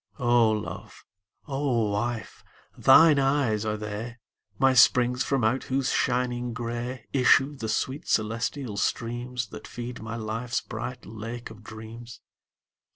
O Love, O Wife, thine eyes are they, My springs from out whose shining gray Issue the sweet celestial streams That feed my life's bright Lake of Dreams.